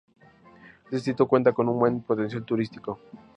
Este distrito cuenta con un buen potencial turístico.